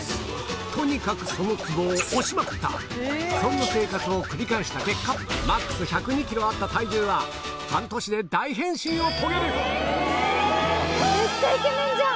とにかくそのツボを押しまくったそんな生活を繰り返した結果ＭＡＸ１０２ｋｇあった体重は半年で大変身を遂げる！え！